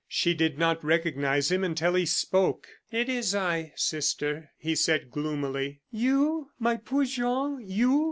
She did not recognize him until he spoke. "It is I, sister," he said, gloomily. "You my poor Jean! you!"